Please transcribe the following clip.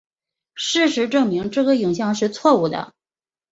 事实证明这个影像是错误的。